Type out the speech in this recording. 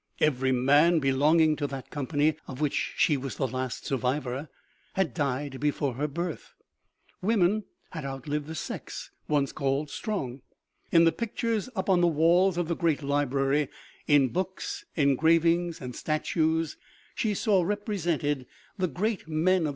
Every man be longing to that company of which she was the last survivor had died before her birth. Woman had out lived the sex once called strong. In the pictures up on the walls of the great library, in books, engrav ings and statues, she saw represented the great men of 254 OMEGA.